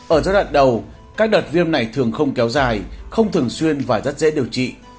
ở giai đoạn đầu các đợt viêm này thường không kéo dài không thường xuyên và rất dễ điều trị